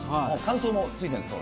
乾燥も付いてるんですか？